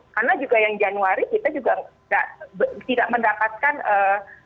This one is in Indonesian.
karena juga yang januari kita juga tidak mendapatkan